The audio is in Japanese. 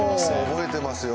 覚えていますよ。